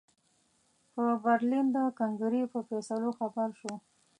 په برلین د کنګرې په فیصلو خبر شو.